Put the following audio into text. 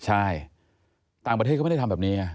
ใช่ต่างประเทศก็ไม่ได้ทำแบบนี้ไง